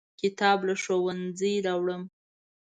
کتاب له ښوونځي راوړم.